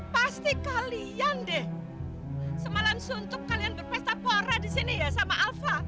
pasti kalian deh semalam suntuk kalian berpesta pora disini ya sama alva